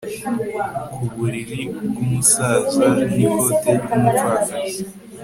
Ku buriri bwumusaza nikote ryumupfakazi